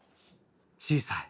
小さい。